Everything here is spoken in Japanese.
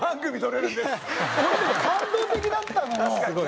これ感動的だったのよ。